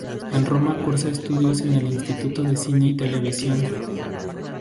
En Roma cursa estudios en el Instituto de cine y televisión.